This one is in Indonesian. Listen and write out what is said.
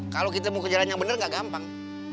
kalau kita mau ke jalan yang bener gak gampang